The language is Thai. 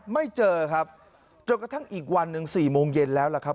ไม่เจอครับจนกระทั่งอีกวันหนึ่ง๔โมงเย็นแล้วล่ะครับ